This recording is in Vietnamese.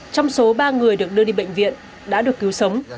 trong số ba người được đưa đi bệnh viện đã được cứu sống